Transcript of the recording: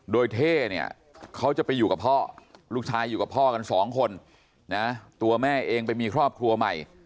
โดยเท่เนี่ยเขาจะไปอยู่กับพ่อลูกชายอยู่กับพ่อกันสองคนนะตัวแม่เองไปมีครอบครัวใหม่